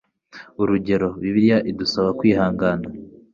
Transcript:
Urugero, Bibiliya idusaba kwihangan